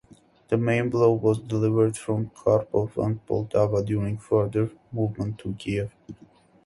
The main blow was delivered from Kharkov to Poltava during further movement to Kiev.